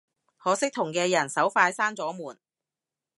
可惜同嘅人手快閂咗門